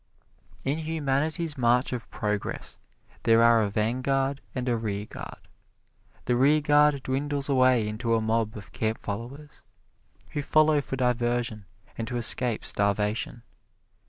In humanity's march of progress there are a vanguard and a rearguard. The rearguard dwindles away into a mob of camp followers, who follow for diversion and to escape starvation.